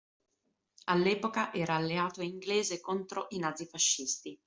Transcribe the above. All'epoca era alleato inglese contro i nazifascisti.